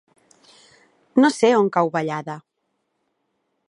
No sé on cau Vallada.